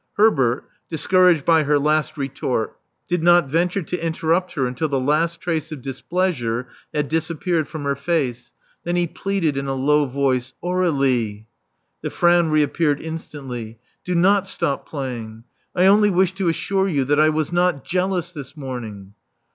Herbert, discouraged by her last retort, did not venture to interrupt her until the last trace of displeasure had disappeared from her face. Then he pleaded in a low voice. Aur61ie. The frown reappeared instantly. Do not stop play ing. I only wish to assure you that I was not jealous this morning.